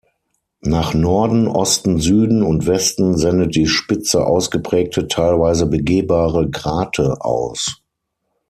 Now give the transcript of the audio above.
Nach Norden, Osten, Süden und Westen sendet die Spitze ausgeprägte, teilweise begehbare Grate aus.